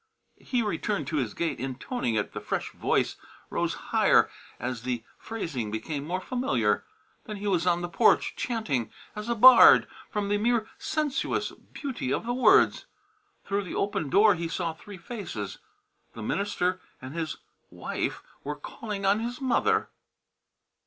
He returned to his gate, intoning it; the fresh voice rose higher as the phrasing became more familiar. Then he was on the porch, chanting as a bard from the mere sensuous beauty of the words. Through the open door he saw three faces. The minister and his wife were calling on his mother.